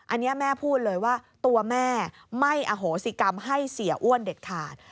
อันนี้แม่พูดเลยว่าตัวแม่ไม่อโหสิกรรมให้เสียอ้วนเด็ดขาด